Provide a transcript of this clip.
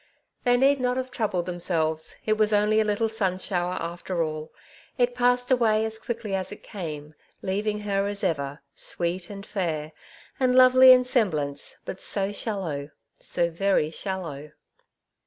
They need not have troubled themselves ; it was only a little sun shower after all. It passed away as quickly as it came, leaving her as ever — sweet. The Marriage at Clinton Park, 215 and fair, and lovely in semblance, but so shallow, so very shallow